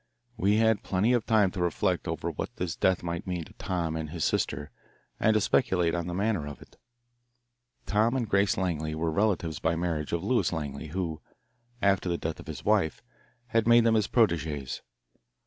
We had plenty of time to reflect over what this death might mean to Tom and his sister and to speculate on the manner of it. Tom and Grace Langley were relatives by marriage of Lewis Langley, who, after the death of his wife, had made them his proteges.